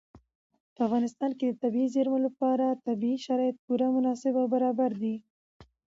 په افغانستان کې د طبیعي زیرمې لپاره طبیعي شرایط پوره مناسب او برابر دي.